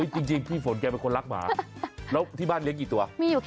จริงพี่ฝนแกเป็นคนรักหมาแล้วที่บ้านเลี้ยงกี่ตัว